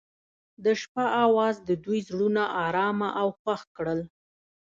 د شپه اواز د دوی زړونه ارامه او خوښ کړل.